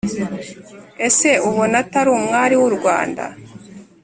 ese ubona atari umwari wu rwanda